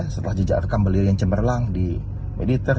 setelah jejak rekam beliau yang cemerlang di mediter